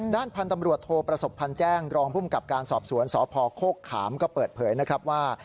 ด้านพันธ์ตำรวจโทประสบพันธ์แจ้งรองภูมิกับการสอบสวนสพโคกขามก็เปิดเผยนะครับว่า